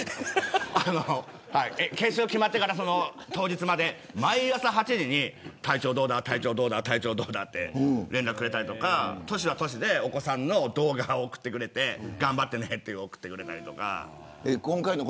決勝決まってから当日まで毎朝８時に体調どうだって連絡くれたりとかトシはトシでお子さんの動画を送ってくれて頑張ってねって送ってくれたりとか。